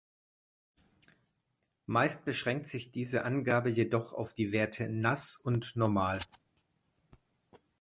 Meist beschränkt sich diese Angabe jedoch auf die Werte ‚nass‘ und ‚normal‘.